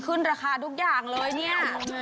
ขึ้นราคาทุกอย่างเลยเนี่ย